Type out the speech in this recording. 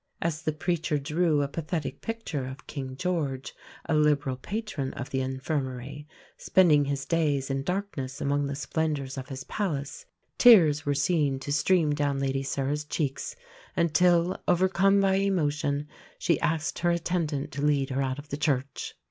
As the preacher drew a pathetic picture of King George, a liberal patron of the Infirmary, spending his days in darkness among the splendours of his palace, tears were seen to stream down Lady Sarah's cheeks, until, overcome by emotion, she asked her attendant to lead her out of the church.